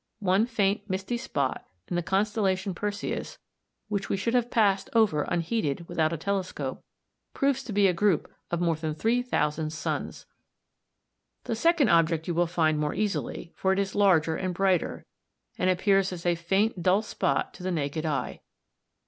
One faint misty spot in the constellation Perseus, which we should have passed over unheeded without a telescope, proves to be a group of more than 3000 suns! The second object you will find more easily, for it is larger and brighter, and appears as a faint dull spot to the naked eye.